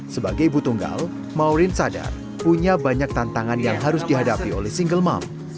sebagai ibu tunggal maureen sadar punya banyak tantangan yang harus dihadapi oleh single mom